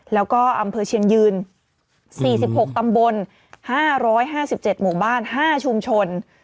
แล้วก็อำเภอเชียงยืนสี่สิบหกตำบลห้าร้อยห้าสิบเจ็ดหมู่บ้านห้าชุมชน